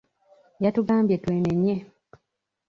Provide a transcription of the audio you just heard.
Yatugambye twenenye.